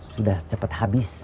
sudah cepat habis